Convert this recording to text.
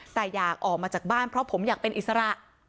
แต่อยากออกมาจากบ้านเพราะผมอยากเป็นอิสระ